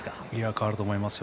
変わると思います。